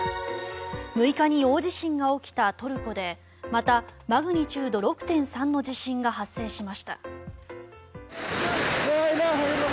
６日に大地震が起きたトルコでまたマグニチュード６．３の地震が発生しました。